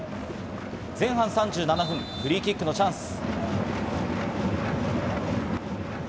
前半３７分、フリーキックのチャンス。